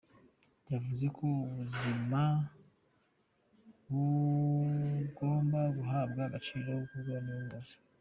Yavuze ko ubuzima bubwomba guhabwa agaciro kabwo uko bikwiye.